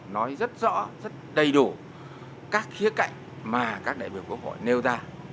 nói rất rõ rất đầy đủ các khía cạnh mà các đại biểu quốc hội nêu ra